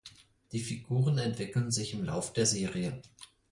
Die Figuren entwickeln sich im Lauf der Serie.